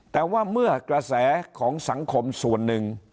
แต่ว่าเมื่อกระแสของสังคมส่วนหนึ่ง